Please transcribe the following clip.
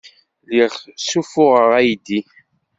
Lliɣ ssuffuɣeɣ aydi.